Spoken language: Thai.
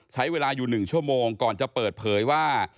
ใช้เวลาอยู่๑ชั่วโมงก่อนจะเปิดเผยว่า